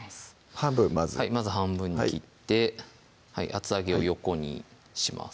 半分まずまず半分に切って厚揚げを横にします